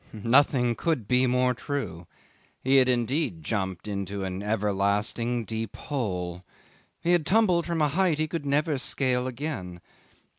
Nothing could be more true: he had indeed jumped into an everlasting deep hole. He had tumbled from a height he could never scale again.